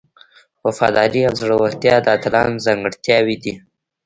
وفاداري او زړورتیا د اتلانو ځانګړتیاوې دي.